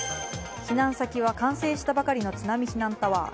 避難先は完成したばかりの津波避難タワー。